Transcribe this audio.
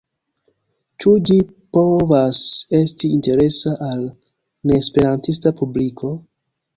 Ĉu ĝi povas esti interesa al neesperantista publiko?